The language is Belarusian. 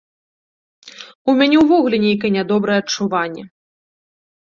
У мяне ўвогуле нейкае нядобрае адчуванне.